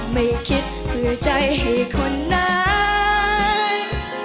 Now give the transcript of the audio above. ไม่คิดหือใจให้คนไหน